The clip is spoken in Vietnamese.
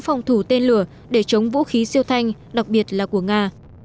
phòng thủ tên lửa để chống vũ khí siêu thanh đặc biệt là của nga